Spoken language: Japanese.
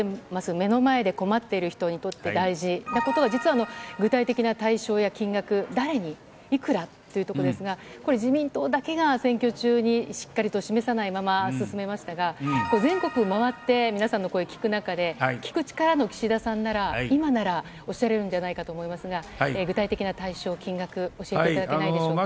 目の前で困っている人にとって大事なことが、実は具体的な対象や金額、誰に、いくらというところですが、これ、自民党だけが選挙中にしっかりと示さないまま進めましたが、全国回って皆さんの声聞く中で、聞く力の岸田さんなら、今ならおっしゃれるんじゃないかと思いますが、具体的な対象、金額、教えていただけないでしょうか。